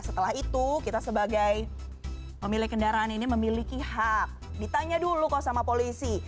setelah itu kita sebagai pemilik kendaraan ini memiliki hak ditanya dulu kok sama polisi